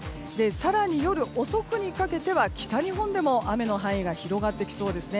更に夜遅くにかけては北日本でも雨の範囲が広がってきそうです。